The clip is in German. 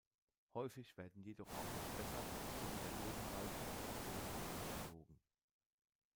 Häufig werden jedoch auch der Spessart sowie der Odenwald von den Piloten angeflogen.